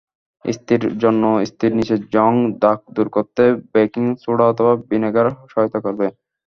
ইস্ত্রির জন্যইস্ত্রির নিচে জং, দাগ দূর করতে বেকিং সোডা অথবা ভিনেগার সহায়তা করবে।